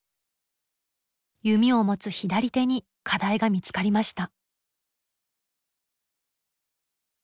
弓を持つ左手に課題が見つかりました。